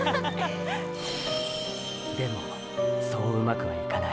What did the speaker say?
でもそううまくはいかない。